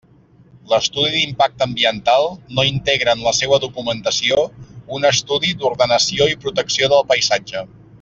L'estudi d'impacte ambiental no integra en la seua documentació un estudi d'ordenació i protecció del paisatge.